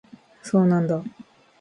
そうなんだ